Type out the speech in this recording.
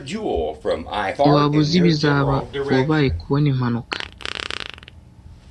Waba uzi ibizaba? Wabaye kubona impanuka?